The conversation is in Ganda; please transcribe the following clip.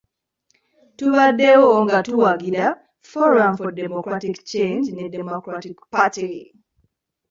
Tubaddewo nga tuwagira Forum for Democratic Change ne Democratic Party.